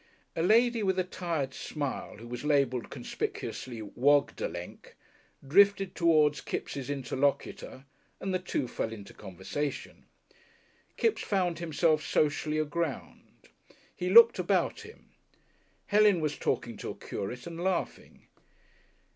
A lady with a tired smile, who was labelled conspicuously "Wogdelenk," drifted towards Kipps' interlocutor and the two fell into conversation. Kipps found himself socially aground. He looked about him. Helen was talking to a curate and laughing.